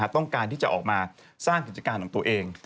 ต้องการที่จะออกมาสร้างกิจการของตัวเอง